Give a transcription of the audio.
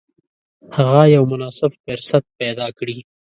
هغه یو مناسب فرصت پیدا کړي.